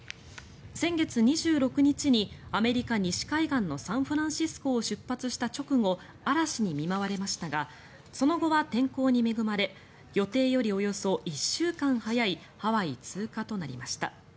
先月２６日にアメリカ西海岸のサンフランシスコを出発した直後嵐に見舞われましたがその後は天候に恵まれ予定よりおよそ１週間早いハワイ通過となりました。